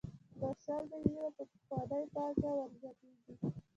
دا شل میلیونه په پخوانۍ پانګه ورزیاتېږي